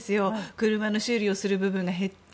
車の修理をする部分が減った。